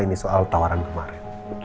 ini soal tawaran kemarin